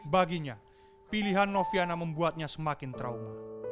baginya pilihan noviana membuatnya semakin trauma